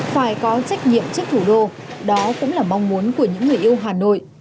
phải có trách nhiệm trước thủ đô đó cũng là mong muốn của những người yêu hà nội